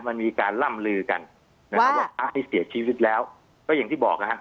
มันมีการล่ำลือกันนะครับว่าให้เสียชีวิตแล้วก็อย่างที่บอกนะฮะ